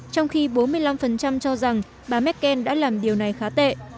trong khi bốn mươi năm cho rằng bà merkel đã làm điều này khá tệ